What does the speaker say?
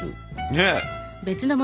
ねえ。